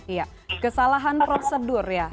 iya kesalahan prosedur ya